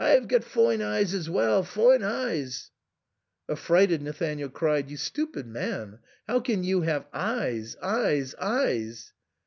Ve got f oine oyes as well — foine oyes !" Affrighted, Nathanael cried, "You stupid man, how can you have eyes ?— eyes — eyes